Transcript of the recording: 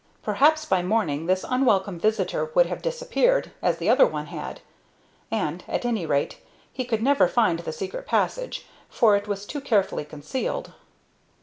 Perhaps by morning this unwelcome visitor would have disappeared, as the other had done; and, at any rate, he could never find the secret passage, for it was too carefully concealed.